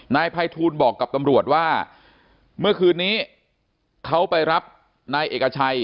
นายภัยทูลบอกกับตำรวจว่าเมื่อคืนนี้เขาไปรับนายเอกชัย